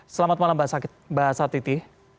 selamat malam mbak satiti